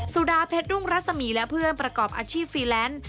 สุดาเพชรรุ่งรัศมีร์และเพื่อนประกอบอาชีพฟรีแลนซ์